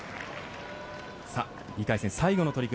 ２回戦最後の取組